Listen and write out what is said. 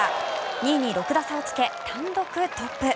２位に６打差をつけ単独トップ。